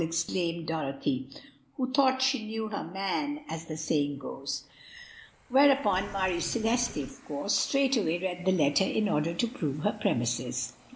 exclaimed Dorothy, who thought 'she knew her man,' as the saying goes; whereupon Marie Celeste, of course, straightway read the letter in order to prove her premises.